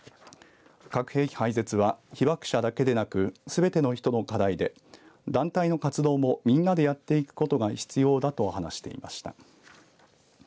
核兵器廃絶は被爆者だけでなくすべての人の課題で団体の活動もみんなでやっていくことが必要だと話していました。